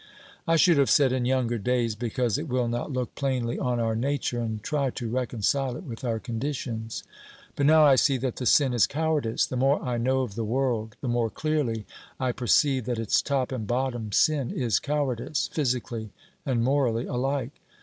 I should have said in younger days, because it will not look plainly on our nature and try to reconcile it with our conditions. But now I see that the sin is cowardice. The more I know of the world the more clearly I perceive that its top and bottom sin is cowardice, physically and morally alike.